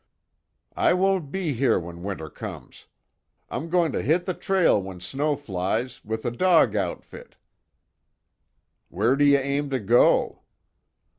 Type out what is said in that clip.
"I won't be here when winter comes. I'm going to hit the trail when snow flies, with a dog outfit." "Where do you aim to go?"